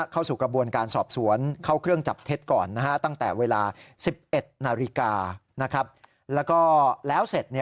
เข้าสู่กระบวนการสอบสวนเข้าเครื่องจับเท็จก่อนนะฮะ